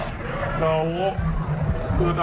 เอากระเป๋ามาบังใช่เนี่ยค่ะ